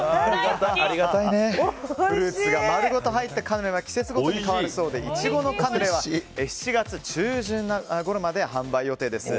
フルーツが丸ごと入ったカヌレは季節ごとに変わるそうでイチゴのカヌレは７月中旬ごろまで販売予定です。